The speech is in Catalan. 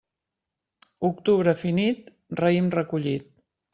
Octubre finit, raïm recollit.